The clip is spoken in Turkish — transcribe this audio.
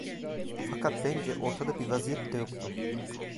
Fakat bence ortada bir vaziyet de yoktu.